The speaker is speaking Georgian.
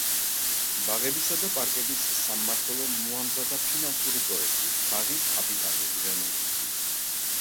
ბაღებისა და პარკების სამმართველომ მოამზადა ფინანსური პროექტი ბაღის კაპიტალური რემონტისათვის.